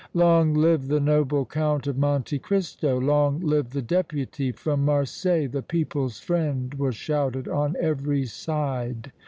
"Long live the noble Count of Monte Cristo! Long live the Deputy from Marseilles, the people's friend!" was shouted on every side.